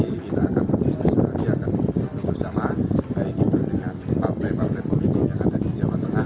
akan berbakat bersama baik itu dengan partai partai politik yang ada di jawa tengah